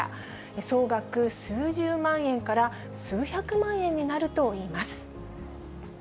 総額、数十万円から数百万円になるといいます。